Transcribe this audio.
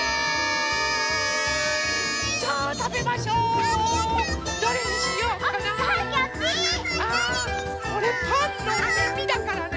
あこれパンのみみだからね。